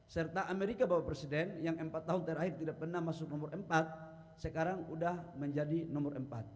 serta amerika bapak presiden yang empat tahun terakhir tidak pernah masuk nomor empat sekarang sudah menjadi nomor empat